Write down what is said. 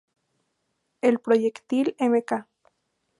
El proyectil Mk.